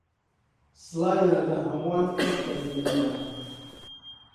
سڵاویان لە ھەمووان کرد کە بینییان.